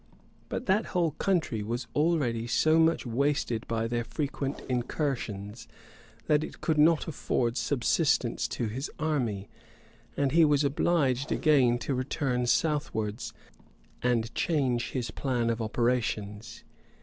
[] But that whole country was already so much wasted by their frequent incursions, that it could not afford subsistence to his army; and he was obliged again to return southwards, and change his plan of operations.